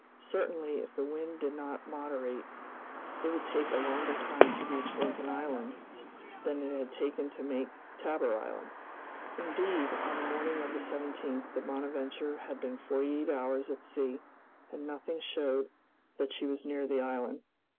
Certainly, if the wind did not moderate, it would take a longer time to reach Lincoln Island than it had taken to make Tabor Island. Indeed, on the morning of the 17th, the "Bonadventure" had been forty eight hours at sea, and nothing showed that she was near the island.